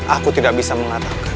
aku tidak bisa mengatak